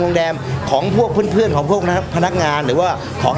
โรงแรมของพวกเพื่อนเพื่อนของพวกนะครับพนักงานหรือว่าของ